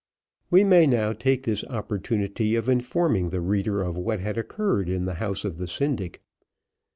We may now take this opportunity of informing the reader of what had occurred in the house of the syndic.